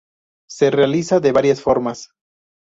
Se realiza de varias formas.